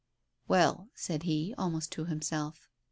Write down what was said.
"Well ..." said he, almost to himself.